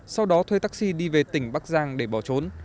sau đó thuê taxi đi về tỉnh bắc giang để bỏ trốn